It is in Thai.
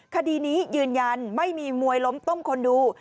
คดีนี้ยืนยันไม่มีมวยล้มต้มคนดู